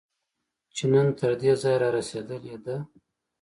چې نن تر دې ځایه رارسېدلې ده